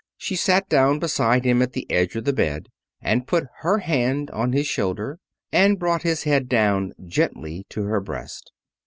She sat down beside him at the edge of the bed and put her hand on his shoulder, and brought his head down gently to her breast.